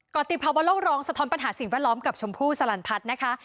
กรติภาวะโลกร้องสะท้อนปัญหาสิ่งแวดล้อมกับชมพู่สลันพัฒน์นะคะ